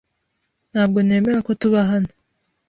Ntabwo nemera ko tuba hano.